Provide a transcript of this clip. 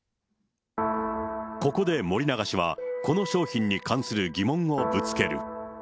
ここで森永氏は、この商品に関する疑問をぶつける。